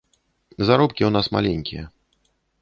Заробкі ў нас маленькія.